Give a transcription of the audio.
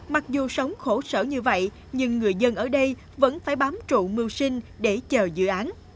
mặc dù sống khổ sở như vậy nhưng người dân ở đây vẫn phải bám trụ mưu sinh để chờ dự án